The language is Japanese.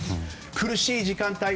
苦しい時間帯